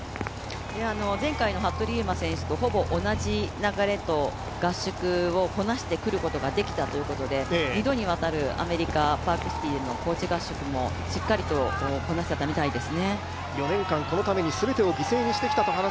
前回の服部勇馬選手とほぼ同じ流れと、合宿をこなしてくることができたということですから２度にわたるアメリカの高地での合宿もしっかりこなせたみたいです